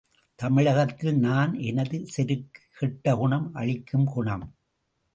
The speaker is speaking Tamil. தமிழகத்தில் நான் எனது செருக்கு, கெட்ட குணம் அழிக்கும் குணம்.